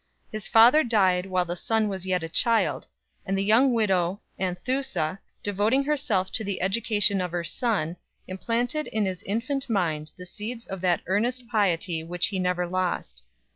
His father died while the son was yet a child, and the young widow Anthusa, devoting herself to the education of her son, implanted in his infant mind the seeds of that earnest piety which he never lost.